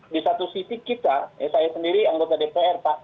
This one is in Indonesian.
di satu sisi kita saya sendiri anggota dpr pak